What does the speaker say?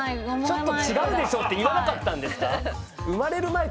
ちょっと違うでしょって言わなかったんですか？